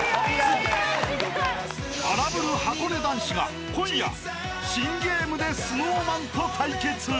［荒ぶるはこね男子が今夜新ゲームでＳｎｏｗＭａｎと対決］